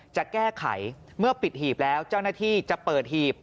จะแก้ไขเมื่อปิดหีบแล้วเจ้าหน้าที่จะเปิดหีบ